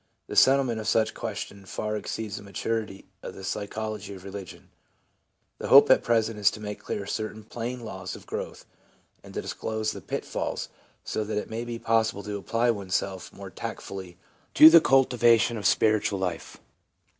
The settlement of such a question far exceeds the maturity of the psychology of religion. The hope at present is to make clear certain plain laws of growth, and to disclose the pitfalls, so that it may be THE ABNORMAL ASPECT OF CONVERSION 165 possible to apply oneself more tactfully to the cultiva tion of the spiritual life.